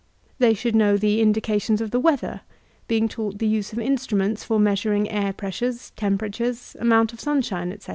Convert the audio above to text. They should know the indications of the weather, being taught the use of instruments for measuring air pressures, temperatures, amount of sun shine, etc.